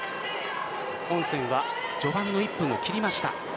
本戦は序盤の１分を切りました。